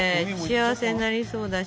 幸せになりそうだし。